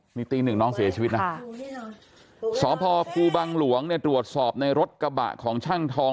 นี่ตีหนึ่งน้องเสียชีวิตนะสพภูบังหลวงเนี่ยตรวจสอบในรถกระบะของช่างทอง